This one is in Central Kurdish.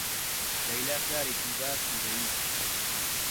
لەیلا کارێکی باشی دەویست.